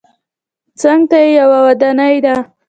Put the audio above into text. څنګ ته یې یوه ودانۍ ده.